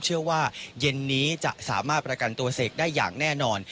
เชื่อว่าเย็นนี้จะสามารถประกันตัวเสกได้อย่างแน่นอน